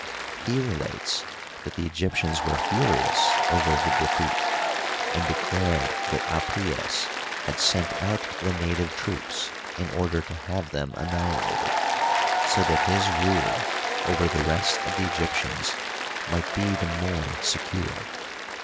He relates that the Egyptians were furious over the defeat, and declared that Apries had sent out the native troops in order to have them annihilated, so that his rule over the rest of the Egyptians might be the more secure.